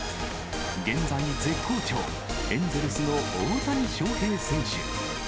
現在、絶好調、エンゼルスの大谷翔平選手。